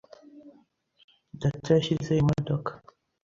Data yashyizeho imodoka .